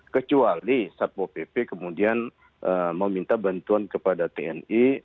kecuali satpo pp kemudian meminta bantuan kepada tni